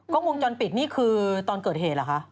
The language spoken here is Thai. กล้องมือจอนปิดของคือตอนเกิดเหตุล่ะคะ